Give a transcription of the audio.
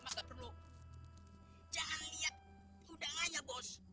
jadi tidak perlu jadiak sudah enak bos